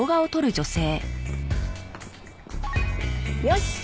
よし。